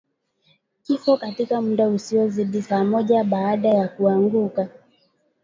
Kifo katika muda usiozidi saa moja baada ya kuanguka